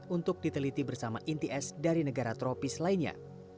untuk diteliti bersama inti es dari negara tropis lainnya